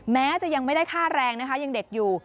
แม้จะยังไม่ได้ค่าแรงนะคะยังเด็กอยู่